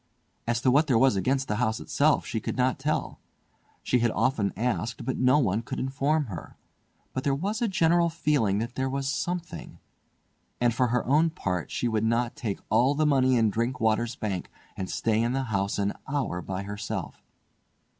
As to what there was against the house itself she could not tell. She had often asked, but no one could inform her; but there was a general feeling that there was something, and for her own part she would not take all the money in Drinkwater's Bank and stay in the house an hour by herself.